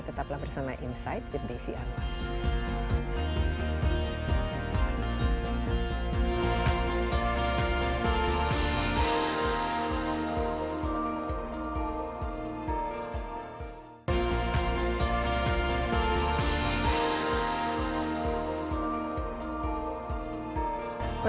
tetaplah bersama insight with desy arma